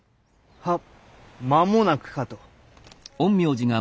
はっ間もなくかと。